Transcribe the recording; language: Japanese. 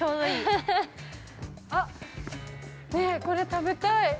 ◆あっ、これ食べたい。